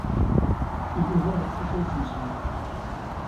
Inuda ɣef tutlayt-nsent.